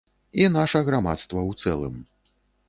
І наша грамадства ў цэлым.